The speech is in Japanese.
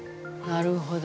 なるほど。